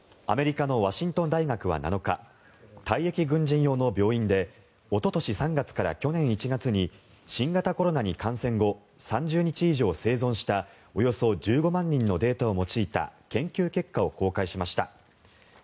アメリカのワシントン大学は７日退役軍人用の病院でおととし３月から去年１月に新型コロナに感染後３０日以上生存したおよそ１５万人のデータを用いた研究結果を公表しました。